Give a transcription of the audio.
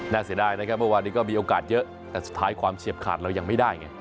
เสียดายนะครับเมื่อวานนี้ก็มีโอกาสเยอะแต่สุดท้ายความเฉียบขาดเรายังไม่ได้ไง